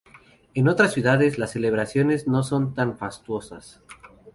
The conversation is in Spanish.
En otras ciudades, las celebraciones no son tan fastuosas.